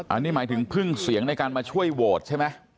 อันนี้หมายถึงพึ่งเสียงในการมาช่วยโหวตใช่ไหม